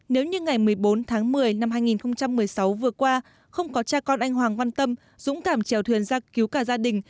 nếu như ngày một mươi bốn tháng một mươi năm hai nghìn một mươi sáu vừa qua không có cha con anh hoàng văn tâm dũng cảm trèo thuyền ra cứu cả gia đình